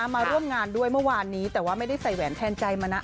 มาร่วมงานด้วยเมื่อวานนี้แต่ว่าไม่ได้ใส่แหวนแทนใจมานะ